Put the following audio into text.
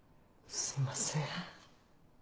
すいません。